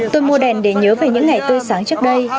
tôi mua đèn để nhớ về những ngày tươi sáng trước đây